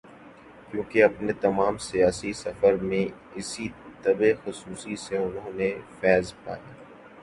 کیونکہ اپنے تمام سیاسی سفر میں اسی طب خصوصی سے انہوں نے فیض پایا۔